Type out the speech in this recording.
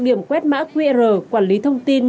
điểm quét mã qr quản lý thông tin